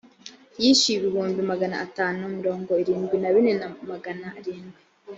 yishyuye ibihumbi magana atanu mirongo irindwi na bine na magana arindwi